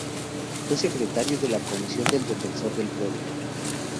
Fue secretario de la Comisión del Defensor del pueblo.